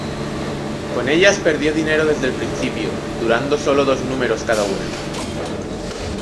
Con ellas perdió dinero desde el principio, durando sólo dos números cada una.